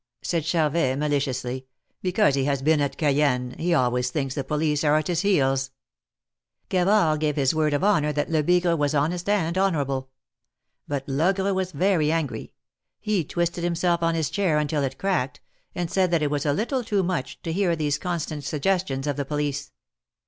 said Char vet, maliciously, because he has been at Cayenne, he always thinks the police are at his heels." Gavard gave his word of honor that Lebigre was honest and honorable. But Logre was very angry; he twisted himself on his chair until it cracked, and said that it was a little too much, to hear these constant suggestions of the police.